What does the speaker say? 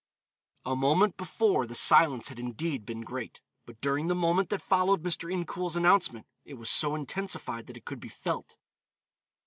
A moment before the silence had indeed been great, but during the moment that followed Mr. Incoul's announcement, it was so intensified that it could be felt.